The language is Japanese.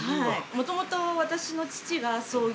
もともと。